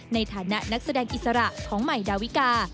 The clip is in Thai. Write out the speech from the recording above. ในฐานะนักแสดงอิสระของใหม่ดาวิกา